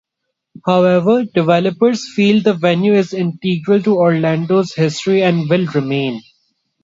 However, developers feel the venue is integral to Orlando's history and will remain.